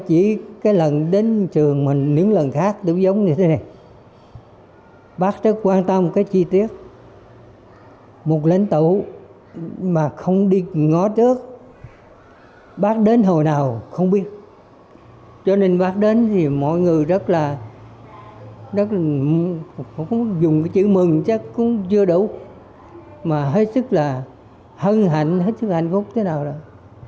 chịu mừng chắc cũng chưa đủ mà hết sức là hân hạnh hết sức là hạnh phúc thế nào rồi